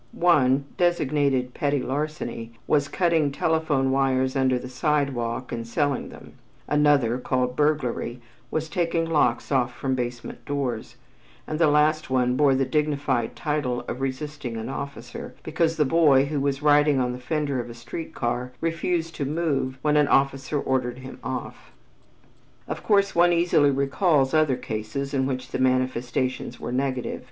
One, designated petty larceny, was cutting telephone wires under the sidewalk and selling them; another, called burglary, was taking locks off from basement doors; and the last one bore the dignified title of "resisting an officer" because the boy, who was riding on the fender of a street car, refused to move when an officer ordered him off. Of course one easily recalls other cases in which the manifestations were negative.